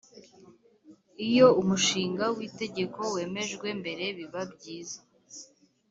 iyo umushinga w’itegeko wemejwe mbere biba byiza